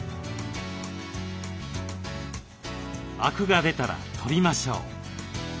アクが出たら取りましょう。